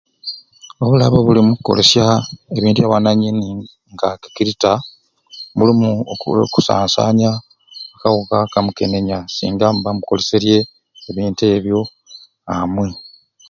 Obulabe obuli omukukolsya ebintu bya bwananyini nka ekirita bulumu oku okusasanya akawuka ka mukenenya singa muba mukoleserye ebintu ebyo amwei